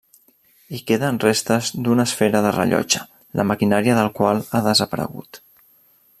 Hi queden restes d'una esfera de rellotge, la maquinària del qual ha desaparegut.